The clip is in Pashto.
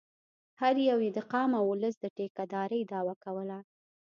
هر یوه یې د قام او اولس د ټیکه دارۍ دعوه کوله.